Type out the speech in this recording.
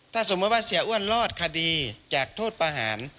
ถ้าสมมุติว่าเสียอ้วนรอดคดีจากโทษประหาร